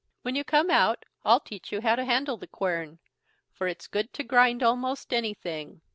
When you come out, I'll teach you how to handle the quern, for it's good to grind almost anything."